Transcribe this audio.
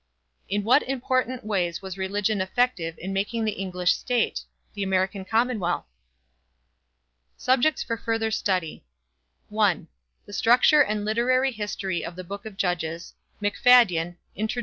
In what important ways was religion effective in making the English state? The American commonwealth? Subjects for Further Study. (1) The Structure and Literary History of the Book of Judges, McFadyen, _Introd.